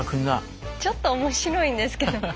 ちょっと面白いんですけど。